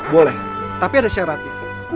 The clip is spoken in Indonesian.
boleh tapi ada syaratnya